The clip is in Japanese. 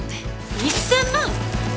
１，０００万！？